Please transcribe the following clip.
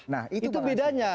nah itu bedanya